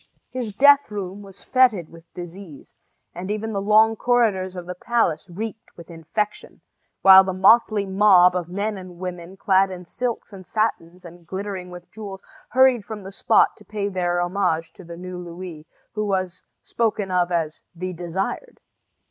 His death room was fetid with disease, and even the long corridors of the palace reeked with infection, while the motley mob of men and women, clad in silks and satins and glittering with jewels, hurried from the spot to pay their homage to the new Louis, who was spoken of as "the Desired."